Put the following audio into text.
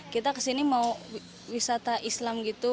kita ke sini mau wisata islam gitu